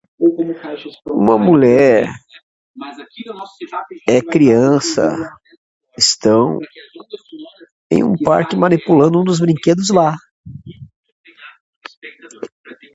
Uma mulher e criança estão em um parque manipulando um dos brinquedos lá